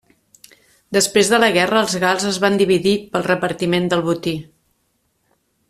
Després de la guerra els gals es van dividir pel repartiment del botí.